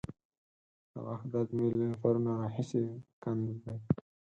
د غاښ درد مې له پرونه راهسې کنده دی.